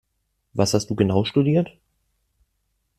Was hast du genau studiert?